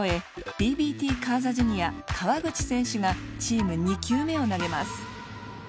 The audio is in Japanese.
ＢＢＴＣａｓａＪｒ．川口選手がチーム２球目を投げます。